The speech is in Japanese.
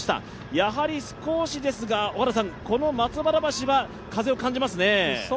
やはり少しこの松原橋は風を感じますね。